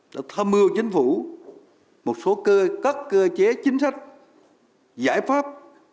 đã thâm mưu chính phủ một số cơ cất cơ chế chính sách giải pháp